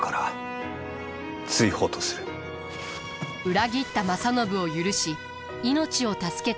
裏切った正信を許し命を助けた家康。